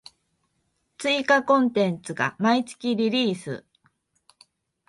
追加コンテンツが毎月リリース